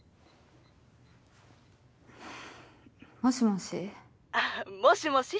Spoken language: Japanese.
もしもし。